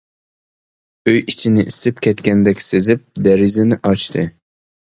ئۆي ئىچىنى ئىسسىپ كەتكەندەك سېزىپ، دېرىزىنى ئاچتى.